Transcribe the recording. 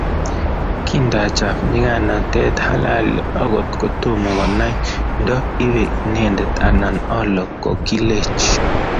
kindacham nyikanatet halali akot kotoma konai ndo ibe inendet anan olo, kikilech